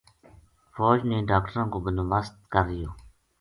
فوج نے ڈاکٹراں کو بندوبست کریو